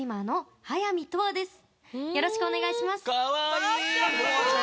よろしくお願いします。